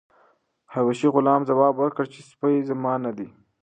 حبشي غلام ځواب ورکړ چې سپی زما نه دی.